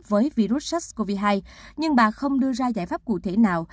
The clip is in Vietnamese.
với virus sars cov hai nhưng bà không đưa ra giải pháp cụ thể nào